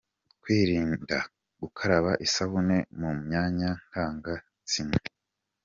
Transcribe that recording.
Kwirinda gukaraba isabune mu myanya ndangagitsina.